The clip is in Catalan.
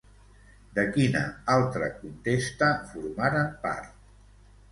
De quina altra contesta formaren part?